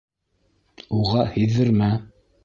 Уға һиҙҙермә!